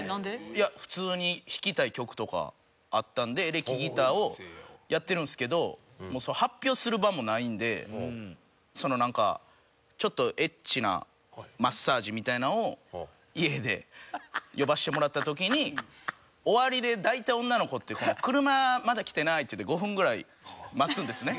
いや普通に弾きたい曲とかあったんでエレキギターをやってるんですけど発表する場もないのでなんかちょっとエッチなマッサージみたいなんを家で呼ばせてもらった時に終わりで大体女の子って「車まだ来てない」って言って５分ぐらい待つんですね。